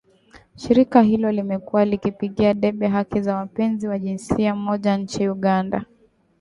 Shirika hilo limekuwa likipigia debe haki za wapenzi wa jinsia moja nchini Uganda